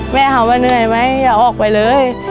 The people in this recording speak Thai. แม่เอาไปเหนื่อยไหมอย่าออกไปเลย